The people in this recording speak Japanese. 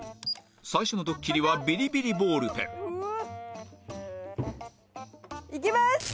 最初のドッキリはビリビリボールペンいきます。